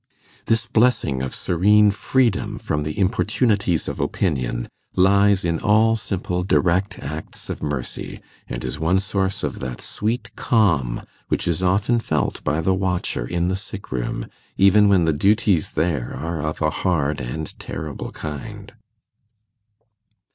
This blessing of serene freedom from the importunities of opinion lies in all simple direct acts of mercy, and is one source of that sweet calm which is often felt by the watcher in the sick room, even when the duties there are of a hard and terrible kind.